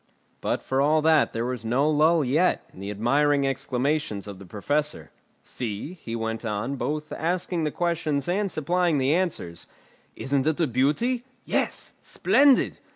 But for all that there was no lull yet in the admiring exclamations of the Professor. "See," he went on, both asking the questions and supplying the answers. "Isn't it a beauty? Yes; splendid!